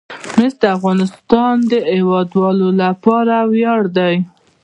مس د افغانستان د هیوادوالو لپاره ویاړ دی.